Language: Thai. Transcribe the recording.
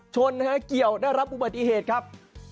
เกี่ยวได้รับอุบัติเหตุครับ